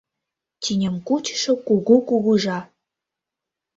Тӱням кучышо кугу кугыжа